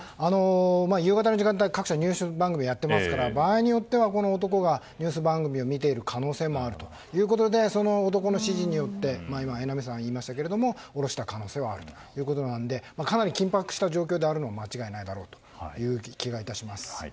夕方の時間帯、各所ニュース番組でやってますから場合によっては、この男がニュース番組を見ている可能性もあるということでその男の指示によって榎並さん言いましたけれども下ろした可能性はあるというのでかなり緊迫した状況であるのは間違いない気がいたします。